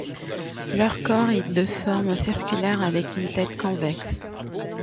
Leur corps est de forme circulaire avec une tête convexe.